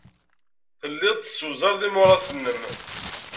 Telliḍ tessewzaleḍ imuras-nnem.